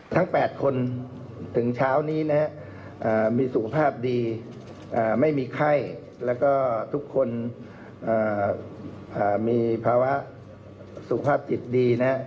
ทั้ง๘คนถึงเช้านี้นะมีสุขภาพดีไม่มีไข้แล้วก็ทุกคนมีภาวะสุขภาพจิตดีนะฮะ